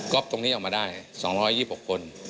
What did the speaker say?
ตรงนี้ออกมาได้๒๒๖คน